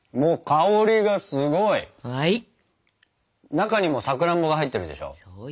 中にもさくらんぼが入ってるでしょ？